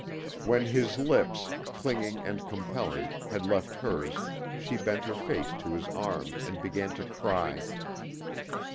When his lips, clinging and compelling, had left hers, she bent her face to his arm and began to cry.